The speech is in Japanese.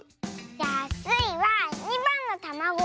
じゃあスイは２ばんのたまご。